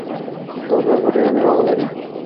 دا باغ به ډېر مېوه ولري.